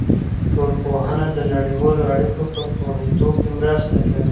ټولنپوهنه د نړیوالو اړیکو په پوهېدو کې مرسته کوي.